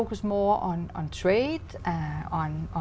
sức khỏe tự do